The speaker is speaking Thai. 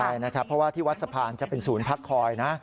ใช่นะครับเพราะว่าที่วัดสะพานจะเป็นศูนย์พักคอยนะ